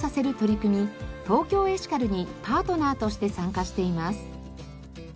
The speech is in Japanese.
ＴＯＫＹＯエシカルにパートナーとして参加しています。